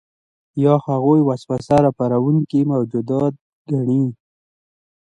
یا هغوی وسوسه راپاروونکي موجودات ګڼي.